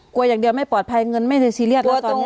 กลัวอย่างเดียวไม่ปลอดภัยเงินไม่ได้ซีเรียสแล้วตอนนี้